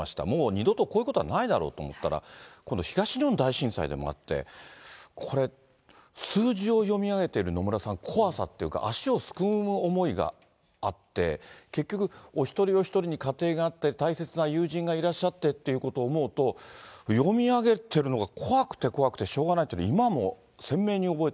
もう二度とこういうことはないだろうと思ったら、今度、東日本大震災でもあってこれ、数字を読み上げてる、野村さん、怖さっていうか、足をすくう思いがあって、結局、お一人お一人に家庭があって、大切な友人がいらっしゃってっていうことを思うと、読み上げてるのが怖くて怖くてしょうがないって、そうですね。